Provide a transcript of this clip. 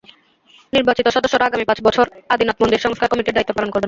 নির্বাচিত সদস্যরা আগামী পাঁচ বছর আদিনাথ মন্দির সংস্কার কমিটির দায়িত্ব পালন করবেন।